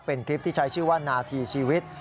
เป็นคลิปที่ใช้ชื่อว่านาทีชีวิต